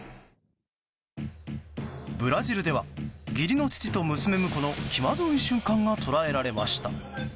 ブラジルでは義理の父と娘婿の気まずい瞬間が捉えられました。